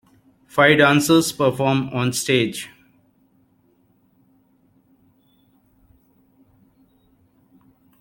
Five dancers perform on stage